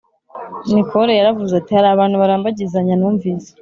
Nicole yaravuze ati hari abantu barambagizanya numvise